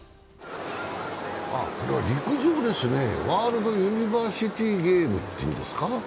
陸上ですね、ワールドユニバーシティゲームというんですか。